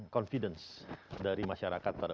confidence dari masyarakat pada